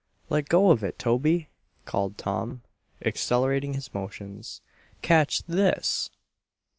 "Let go of it, Toby!" called Tom, accelerating his motions. "Catch this!"